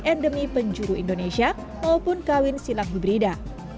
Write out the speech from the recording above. endemi penjuru indonesia maupun kawin silang hibrida